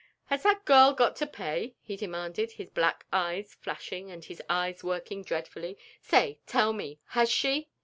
"Has that girl got to pay?" he demanded, his black eyes flashing and his eyes working dreadfully; "say, tell me, has she?"